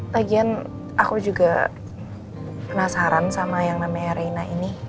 lagian aku juga penasaran sama yang namanya erena ini